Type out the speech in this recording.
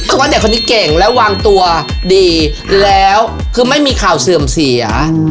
เพราะว่าเด็กคนนี้เก่งและวางตัวดีแล้วคือไม่มีข่าวเสื่อมเสีย